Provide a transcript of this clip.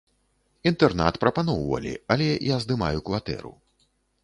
Інтэрнат прапаноўвалі, але я здымаю кватэру.